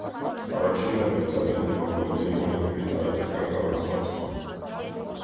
Առաջինն է վերծանել հեմոգլոբինի մոլեկուլի տարածական կառուցվածքը։